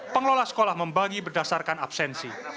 pengelola sekolah membagi berdasarkan absensi